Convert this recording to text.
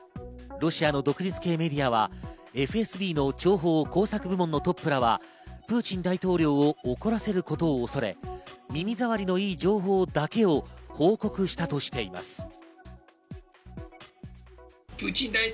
ロシアの独立系メディアはＦＳＢの諜報・工作部門のトップらはプーチン大統領を怒らせることを恐れ、耳障りのいい情報だけを報告したとしています。